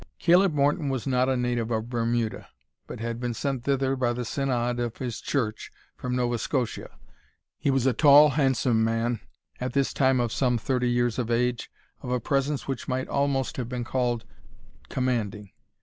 Caleb Morton was not a native of Bermuda, but had been sent thither by the synod of his church from Nova Scotia. He was a tall, handsome man, at this time of some thirty years of age, of a presence which might almost have been called commanding.